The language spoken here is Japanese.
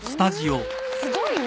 すごいね！